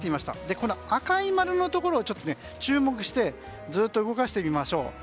この赤い丸のところを注目してずっと動かしてみましょう。